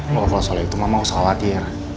kalau soal itu mama gak usah khawatir